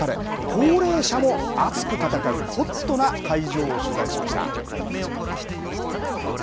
高齢者も熱く戦うホットな会場を取材しました。